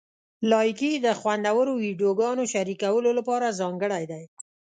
لایکي د خوندورو ویډیوګانو شریکولو لپاره ځانګړی دی.